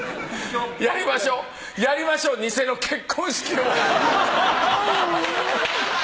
やりましょうやりましょう偽の結婚式を。